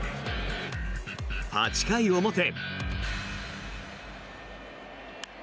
８回表。